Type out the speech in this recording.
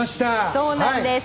そうなんです。